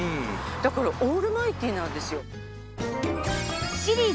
だからオールマイティーなんですよ。